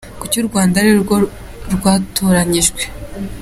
Kuki u Rwanda ari rwo rwatoranijwe ?